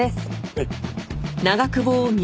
はい。